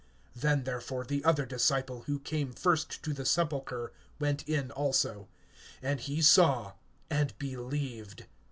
(8)Then therefore the other disciple, who came first to the sepulchre, went in also; and he saw, and believed.